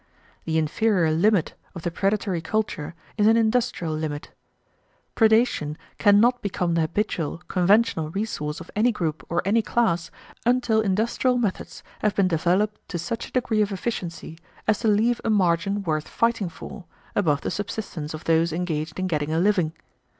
The inferior limit of the predatory culture is an industrial limit. Predation can not become the habitual, conventional resource of any group or any class until industrial methods have been developed to such a degree of efficiency as to leave a margin worth fighting for, above the subsistence of those engaged in getting a living.